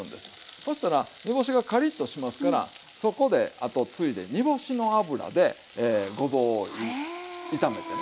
そしたら煮干しがカリッとしますからそこであとついでに煮干しの油でごぼうを炒めてね。